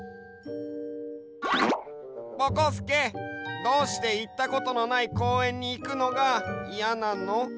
ぼこすけどうしていったことのないこうえんにいくのがいやなの？